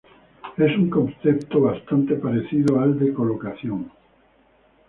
Es un concepto bastante parecido al de colocación.